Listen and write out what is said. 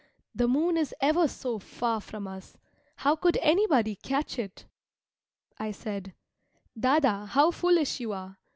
The moon is ever so far from us, how could anybody catch it?" I said, "Dâdâ how foolish you are!